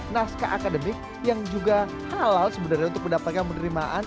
naskah akademik yang juga halal sebenarnya untuk pendapat yang menerimaan